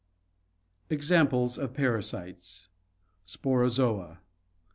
Examples of Parasites Sporozoa.